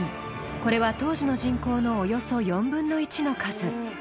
これは当時の人口のおよそ４分の１の数。